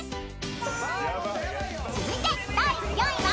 ［続いて第４位は］